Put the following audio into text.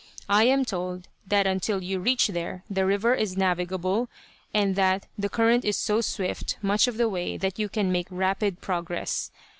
I am told that until you reach there the river is navigable, and that the current is so swift much of the way that you can make rapid progress.